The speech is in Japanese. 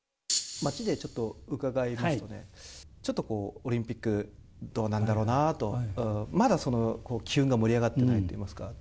街でちょっと伺いますとね、ちょっとこう、オリンピック、どうなんだろうなと、機運が盛り上がっていないといいますか。